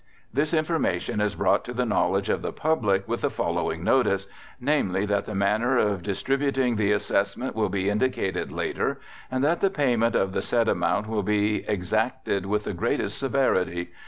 This information is brought to the knowledge of the public with the following notice, namely, that the manner of distributing the assessment will be indicated later, and that the payment of the said amount will be exacted with the greatest severity.